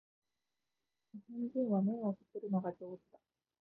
日本人は麺を啜るのが上手だ